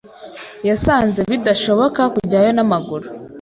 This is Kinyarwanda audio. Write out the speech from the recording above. Yasanze bidashoboka kujyayo n'amaguru.